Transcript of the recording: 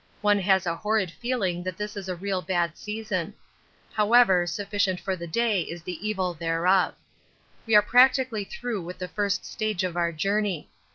One has a horrid feeling that this is a real bad season. However, sufficient for the day is the evil thereof. We are practically through with the first stage of our journey.